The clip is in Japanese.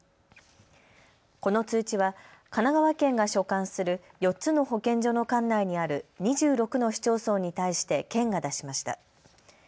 この通知は神奈川県が所管する４つの保健所の管内にある２６の市町村に対して県が出しました。